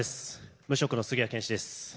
無職の杉谷です。